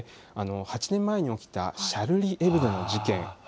８年前に起きたシャルリ・エブドの事件。